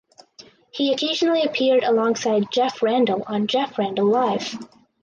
He occasionally appeared alongside Jeff Randall on "Jeff Randall Live".